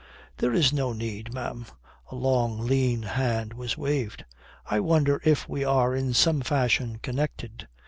"There is no need; ma'am." A long, lean hand was waved. "I wonder if we are in some fashion connected.